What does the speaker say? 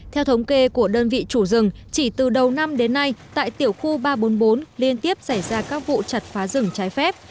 theo thống kê của đơn vị chủ rừng chỉ từ đầu năm đến nay tại tiểu khu ba trăm bốn mươi bốn liên tiếp xảy ra các vụ chặt phá rừng trái phép